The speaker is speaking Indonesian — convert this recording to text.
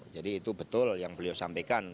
itu betul yang beliau sampaikan